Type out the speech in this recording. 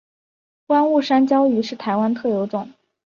观雾山椒鱼是台湾特有种。